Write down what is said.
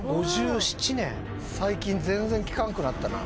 最近全然聞かんくなったな。